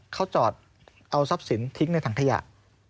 เขาจอดเอาทรัพย์สินทิ้งในถังขยะ